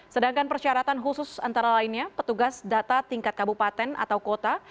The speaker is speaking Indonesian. sedangkan persyaratan khusus antara lainnya petugas data tingkat kabupaten atau kota